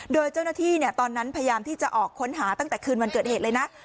โดยเจ้าหน้าที่ตอนนั้นพยายามที่จะออกค้นหาตั้งแต่คืนวันเกิดเหตุเลยนะ